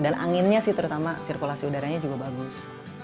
dan anginnya sih terutama sirkulasi udaranya juga bagus